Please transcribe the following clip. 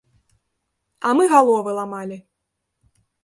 А мы галовы ламалі!